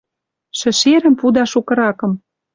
Шӹшерӹм пуда шукыракым.